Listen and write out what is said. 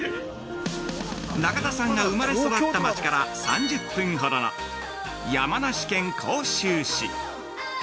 ◆中田さんが生まれ育った町から３０分ほどの山梨県甲州市。